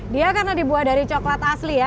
dia karena dibuat dari coklat asli ya